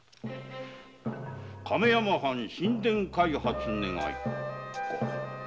「亀山藩新田開発願」。